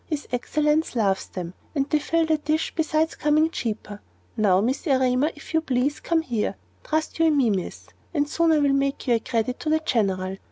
His Excellence loves them, and they fill the dish, besides coming cheaper. Now, Miss Erema, if you please, come here. Trust you in me, miss, and soon I will make you a credit to the General."